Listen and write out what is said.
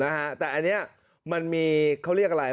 นะฮะแต่อันนี้มันมีเขาเรียกอะไร